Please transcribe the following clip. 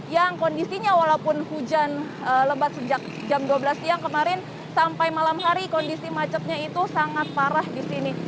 yang kondisinya walaupun hujan lebat sejak jam dua belas siang kemarin sampai malam hari kondisi macetnya itu sangat parah di sini